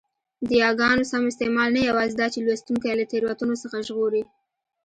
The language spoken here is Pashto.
د یاګانو سم استعمال نه یوازي داچي لوستوونکی له تېروتنو څخه ژغوري؛